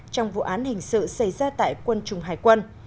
trong vụ án hình sự xảy ra tại quân chủng hải quân